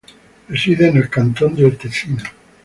Reside en el cantón del Tesino.